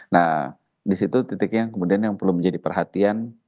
nah di situ titiknya kemudian yang perlu menjadi perhatian